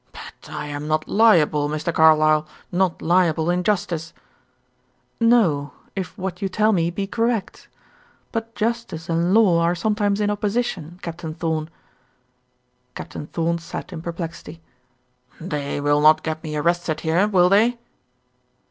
"But I am not liable, Mr. Carlyle, not liable in justice." "No if what you tell me be correct. But justice and law are sometimes in opposition, Captain Thorn." Captain Thorn sat in perplexity. "They will not get me arrested here, will they?"